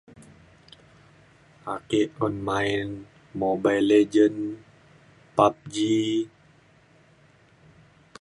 ake un main Mobile Legend PubG